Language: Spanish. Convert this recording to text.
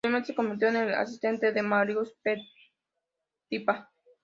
Posteriormente se convirtió en el asistente de Marius Petipa.